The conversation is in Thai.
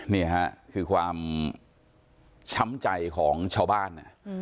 นี่ค่ะคือความช้ำใจของชาวบ้าน